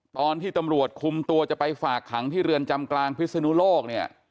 ตอนที่ตำรวจคุมตัวจะไปฝากขังที่เรือนจำกลางพิศนุโลกเนี่ย